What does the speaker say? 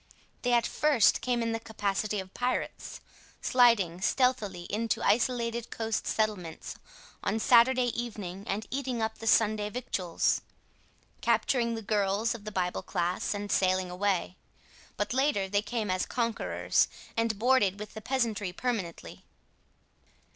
They at first came in the capacity of pirates, sliding stealthily into isolated coast settlements on Saturday evening and eating up the Sunday victuals, capturing the girls of the Bible class and sailing away. But later they came as conquerors, and boarded with the peasantry permanently.